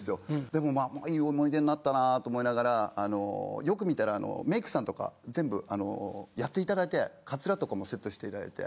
でもいい思い出になったなと思いながらよく見たらメイクさんとか全部やっていただいてカツラとかもセットしていただいて。